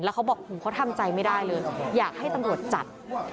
เขาบอกหูเขาทำใจไม่ได้เลยอยากให้ตำรวจจับ